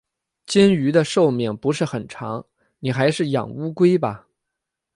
金鱼的寿命不是很长，你还是养乌龟吧。